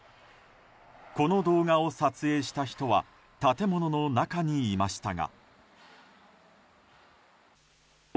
この動画を撮影した人は建物の中にいましたが。